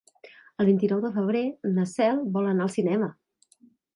El vint-i-nou de febrer na Cel vol anar al cinema.